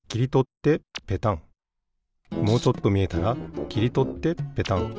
もうちょっとみえたらきりとってペタン。